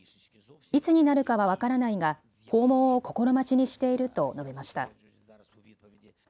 いつになるかは分からないが訪問を心待ちにしていると述べました。